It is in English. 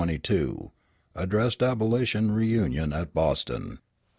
_ Addressed abolition reunion at Boston.